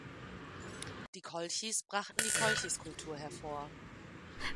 Die Kolchis brachte die Kolchis-Kultur hervor.